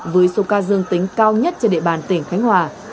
với số ca dương tính cao nhất trên địa bàn tỉnh khánh hòa